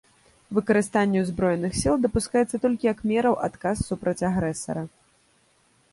Выкарыстанне ўзброеных сіл дапускаецца толькі як мера ў адказ супраць агрэсара.